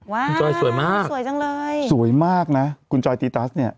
คุณจอยสวยมากสวยจังเลยสวยมากนะคุณจอยตีตัสเนี่ย